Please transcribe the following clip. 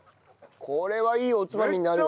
これはいいおつまみになるわ。